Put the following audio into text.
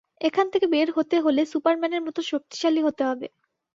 এখান থেকে বের হতে হলে সুপারম্যানের মতো শক্তিশালী হতে হবে।